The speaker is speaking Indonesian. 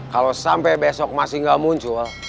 kalau sampai besok masih nggak muncul